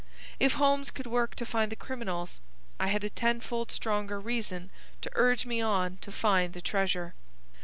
If Holmes could work to find the criminals, I had a tenfold stronger reason to urge me on to find the treasure.